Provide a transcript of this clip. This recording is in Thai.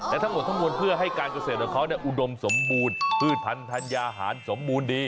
และทั้งหมดทั้งมวลเพื่อให้การเกษตรของเขาอุดมสมบูรณ์พืชพันธัญญาหารสมบูรณ์ดี